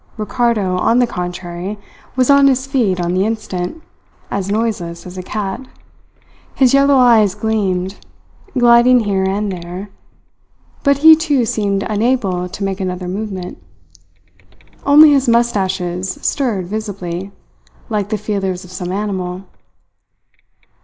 Ricardo, on the contrary, was on his feet on the instant, as noiseless as a cat. His yellow eyes gleamed, gliding here and there; but he too seemed unable to make another movement. Only his moustaches stirred visibly, like the feelers of some animal.